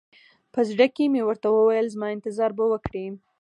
په زړه کښې مې ورته وويل زما انتظار به وکړې.